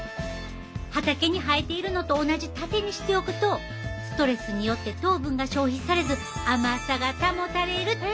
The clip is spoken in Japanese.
畑に生えているのと同じ縦にしておくとストレスによって糖分が消費されず甘さが保たれるっちゅうわけ。